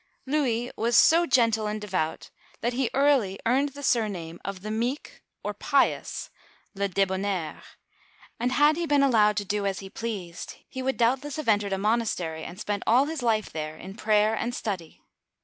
Louis was so gentle and devout that he early earned the surname of the Meek, or Pious {le D^bonnaire)y and had he been allowed to do as he pleased, he would doubt less have entered a monastery and spent all his life there in prayer and study.